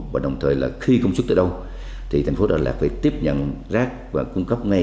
vậy là khi công suất tới đâu thì thành phố đà lạt phải tiếp nhận rác và cung cấp ngay